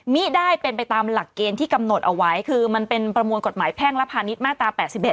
ไม่ได้เป็นไปตามหลักเกณฑ์ที่กำหนดเอาไว้คือมันเป็นประมวลกฎหมายแพ่งและพาณิชย์มาตรา๘๑